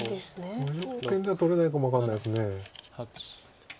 無条件では取れないかも分かんないです。